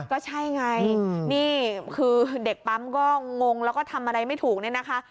ก็ใช่ไงนี่คือเด็กปั๊มก็งงแล้วก็ทำอะไรไม่ถูกเนี่ยนะคะ